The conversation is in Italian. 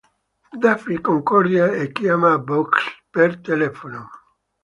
Daffy concorda e chiama Bugs per telefono.